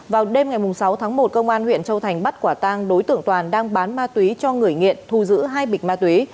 vào đêm ngày sáu tháng một công an huyện châu thành bắt quả tang đối tượng toàn đang bán ma túy cho người nghiện thu giữ hai bịch ma túy